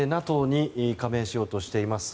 ＮＡＴＯに加盟しようとしています